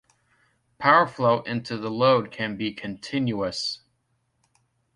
Power flow into the load can be continuous.